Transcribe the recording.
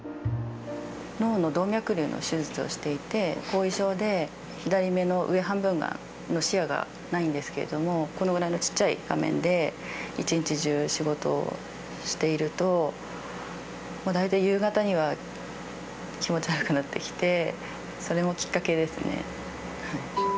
脳の動脈りゅうの手術をしていて、後遺症で、左目の上半分の視野がないんですけれども、このぐらいのちっちゃい画面で一日中仕事をしていると、大体夕方には気持ち悪くなってきて、それもきっかけですね。